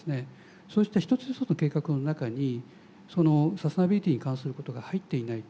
そうした一つ一つの計画の中にサステナビリテイに関することが入っていないと